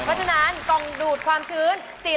เพราะฉะนั้นกล่องดูดความชื้น